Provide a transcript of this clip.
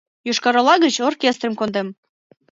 — Йошкар-Ола гыч оркестрым кондем.